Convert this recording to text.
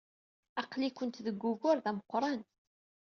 Aql-ikent deg wugur d ameqran.